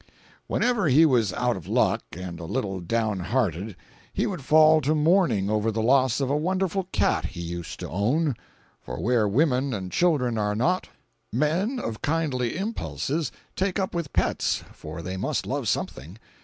Whenever he was out of luck and a little down hearted, he would fall to mourning over the loss of a wonderful cat he used to own (for where women and children are not, men of kindly impulses take up with pets, for they must love something).